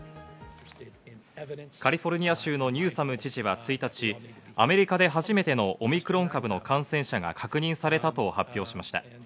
カリフォルニア州のニューサム知事は１日、アメリカで初めてのオミクロン株の感染者が確認されたと発表しました。